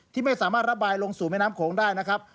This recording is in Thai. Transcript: ที่ไม่สามารถระบายลงสู่แม่น้ำโขงได้นะครับ